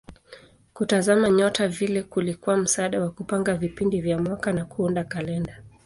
Kutazama nyota vile kulikuwa msaada wa kupanga vipindi vya mwaka na kuunda kalenda.